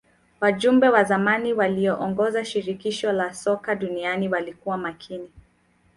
wajumbe wa zamani waliyoongoza shirikisho la soka duniani walikuwa makini